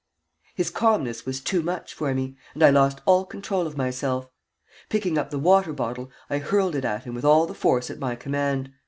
His calmness was too much for me, and I lost all control of myself. Picking up the water bottle, I hurled it at him with all the force at my command.